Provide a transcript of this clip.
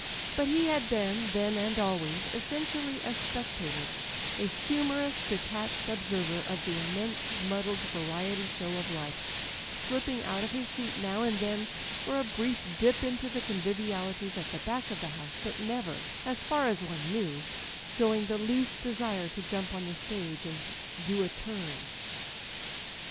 But he had been, then and always, essentially a spectator, a humorous detached observer of the immense muddled variety show of life, slipping out of his seat now and then for a brief dip into the convivialities at the back of the house, but never, as far as one knew, showing the least desire to jump on the stage and do a "turn."